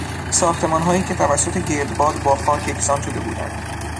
ساختمانهایی که توسط گردباد با خاک یکسان شده بودند